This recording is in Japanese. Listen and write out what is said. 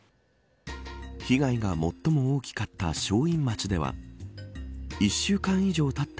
被害が最も大きかった正院町では１週間以上たった